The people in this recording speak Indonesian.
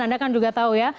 anda kan juga tahu ya